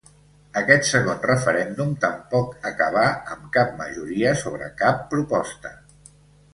Aquest segon referèndum tampoc acabà amb cap majoria sobre cap proposta.